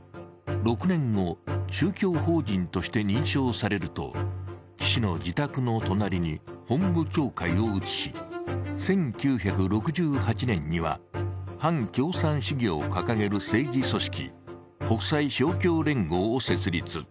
６年後、宗教法人として認証されると岸の自宅の隣に本部教会を移し１９６８年には反共産主義を掲げる政治組織、国際勝共連合を設立。